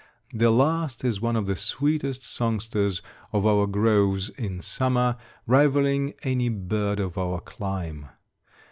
The last is one of the sweetest songsters of our groves in summer, rivaling any bird of our clime.